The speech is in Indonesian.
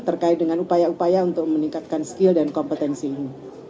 terkait dengan upaya upaya untuk meningkatkan skill dan kompetensi ini